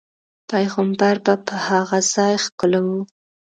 پیغمبر به په هغه ځاې ښکلو.